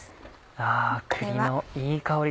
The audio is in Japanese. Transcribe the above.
あ栗のいい香り